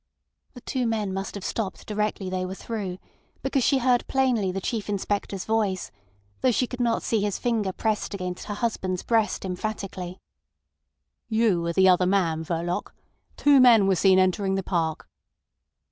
The two men must have stopped directly they were through, because she heard plainly the Chief Inspector's voice, though she could not see his finger pressed against her husband's breast emphatically. "You are the other man, Verloc. Two men were seen entering the park."